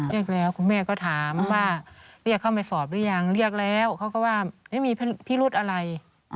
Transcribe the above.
เรียกแล้วคุณแม่ก็ถามว่าเรียกเข้ามาสอบหรือยังเรียกแล้วเขาก็ว่าไม่มีพิรุธอะไร